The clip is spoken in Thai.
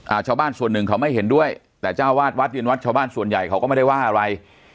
ชาวบ้านส่วนหนึ่งเขาไม่เห็นด้วยแต่เจ้าวาดวัดยืนวัดชาวบ้านส่วนใหญ่เขาก็ไม่ได้ว่าอะไร